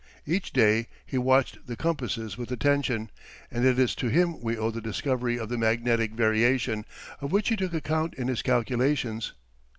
Each day he watched the compasses with attention, and it is to him we owe the discovery of the magnetic variation, of which he took account in his calculations.